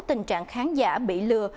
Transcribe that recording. tình trạng khán giả bị lừa